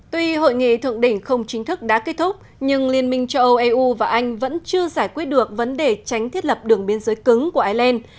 tuy hội nghị thượng đỉnh không chính thức đã kết thúc nhưng liên minh châu âu eu và anh vẫn chưa giải quyết được vấn đề tránh thiết lập đường biên giới cứng của ireland